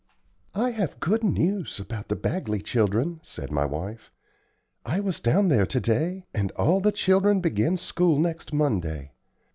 "I have good news about the Bagley children," said my wife. "I was down there to day, and all the children begin school next Monday.